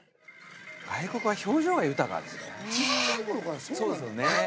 外国は表情が豊かですね。